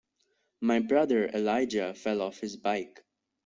My brother Elijah fell off his bike.